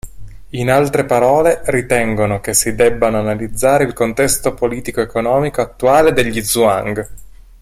In altre parole, ritengono che si debbano analizzare il contesto politico-economico attuale degli zhuang.